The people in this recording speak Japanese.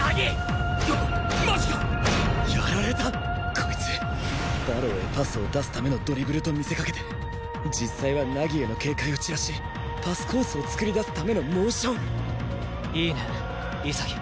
こいつ馬狼へパスを出すためのドリブルと見せかけて実際は凪への警戒を散らしパスコースを創り出すためのモーションいいね潔。